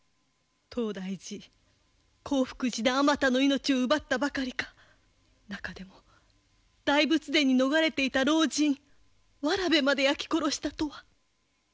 東大寺興福寺であまたの命を奪ったばかりか中でも大仏殿に逃れていた老人童まで焼き殺したとは！